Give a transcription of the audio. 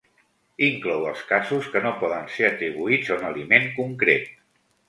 Inclou els casos que no poden ser atribuïts a un aliment concret.